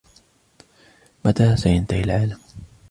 متى سينتهي العالم ؟